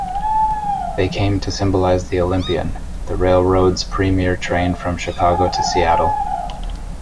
They came to symbolize the "Olympian", the railroad's premier train from Chicago to Seattle.